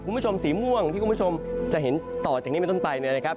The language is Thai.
คุณผู้ชมสีม่วงที่คุณผู้ชมจะเห็นต่อจากนี้เป็นต้นไปเนี่ยนะครับ